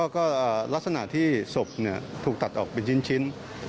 ก็ลักษณะที่ศพถูกตัดออกเป็นชิ้น